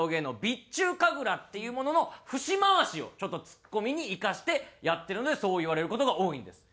備中神楽っていうものの節回しをちょっとツッコミに生かしてやってるのでそう言われる事が多いんです。